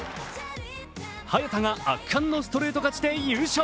早田が圧巻のストレート勝ちで優勝。